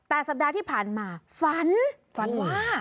แต่สัปดาห์ที่ผ่านมาฝันฝันว่า